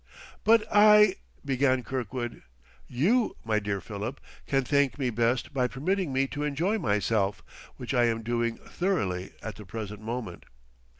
"But I," began Kirkwood . "You, my dear Philip, can thank me best by permitting me to enjoy myself; which I am doing thoroughly at the present moment.